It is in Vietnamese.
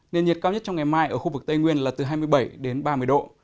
nền nhiệt cao nhất trong ngày mai ở khu vực tây nguyên là từ hai mươi bảy đến ba mươi độ